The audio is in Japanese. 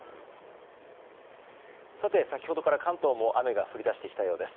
先ほどから関東も雨が降り出してきたようです。